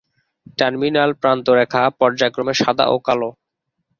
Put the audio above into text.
Terminal প্রান্তরেখা পর্যায়ক্রমে সাদা ও কালো।